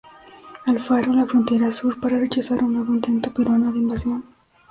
Alfaro en la frontera sur para rechazar un nuevo intento peruano de invasión.